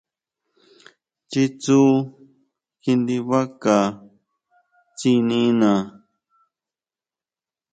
Chitsu kindibaca tsinina.